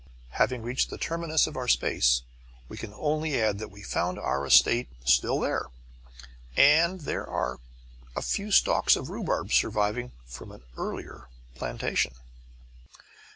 Having reached the terminus of our space, we can only add that we found our estate still there and there are a few stalks of rhubarb surviving from an earlier plantation.